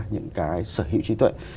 những cái sở hữu trí tuệ